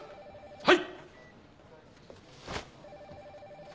はい！